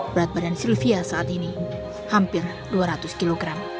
berat badan sylvia saat ini hampir dua ratus kg